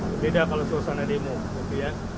berbeda kalau suasana demo gitu ya